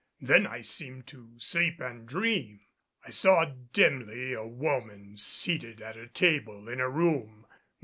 Then I seemed to sleep and dream. I saw dimly a woman seated at a table in a room.